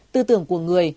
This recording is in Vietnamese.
tư tưởng của người